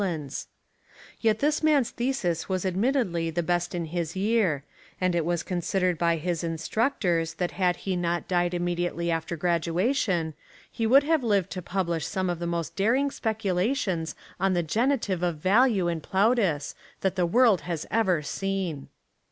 79 Essays and Literary Studies Yet this man's thesis was admittedly the best in his year, and it was considered by his instruc tors that had he not died immediately after graduation, he would have lived to publish some of the most daring speculations on the genitive of value in Plautus that the world has ever seen.